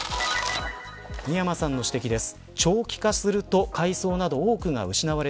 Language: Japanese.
美山さんの指摘です。